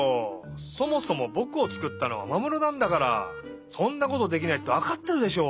そもそもぼくをつくったのはマモルなんだからそんなことできないってわかってるでしょ！